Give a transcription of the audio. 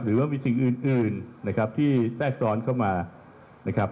หรือว่ามีสิ่งอื่นนะครับที่แทรกซ้อนเข้ามานะครับ